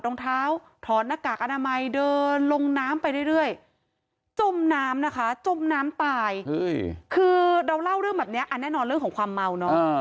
รองเท้าถอดหน้ากากอนามัยเดินลงน้ำไปเรื่อยจมน้ำนะคะจมน้ำตายคือเราเล่าเรื่องแบบนี้อันแน่นอนเรื่องของความเมาเนอะ